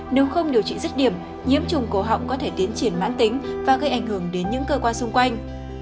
nếu không điều trị rất điểm nhiễm trùng cổ họng có thể tiến triển mãn tính và gây ảnh hưởng đến những cơ quan xung quanh